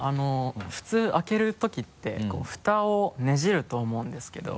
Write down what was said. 普通開けるときってこうフタをねじると思うんですけど。